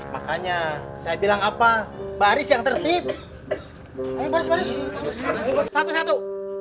makanya saya bilang apa baris yang tertib satu satu